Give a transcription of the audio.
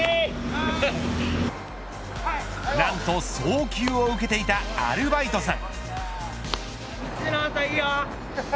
なんと送球を受けていたアルバイトさん。